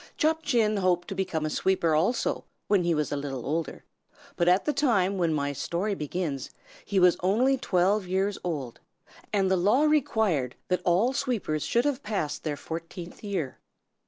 Chop Chin hoped to become a sweeper also, when he was a little older; but at the time when my story begins he was only twelve years old, and the law required that all sweepers should have passed their fourteenth year.